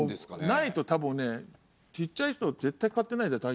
ないと多分ねちっちゃい人は絶対勝てないじゃん